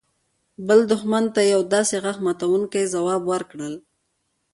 بل دښمن ته يو داسې غاښ ماتونکى ځواب ورکړل.